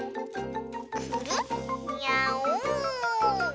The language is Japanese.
くるっニャオーン。